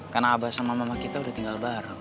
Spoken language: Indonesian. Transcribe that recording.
karena abah sama mama kita udah tinggal bareng